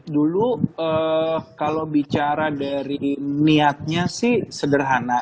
dulu kalau bicara dari niatnya sih sederhana